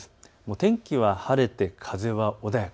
天気は晴れて風は穏やか。